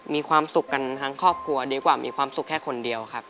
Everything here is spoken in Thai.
มีความสุขกันทั้งครอบครัวดีกว่ามีความสุขแค่คนเดียวครับ